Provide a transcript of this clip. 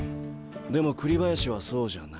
でも栗林はそうじゃない。